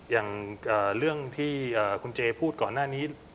อย่างเรื่องที่คุณเจพูดก่อนหน้านี้